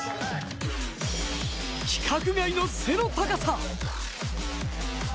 規格外の背の高さ。